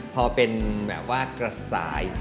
พอเป็นแบบว่ากระสาย